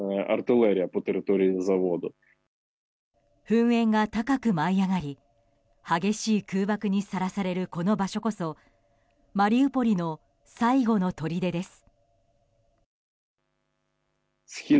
噴煙が高く舞い上がり激しい空爆にさらされるこの場所こそマリウポリの最後のとりでです。